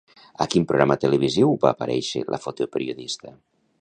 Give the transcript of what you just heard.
A quin programa televisiu va aparèixer la fotoperiodista?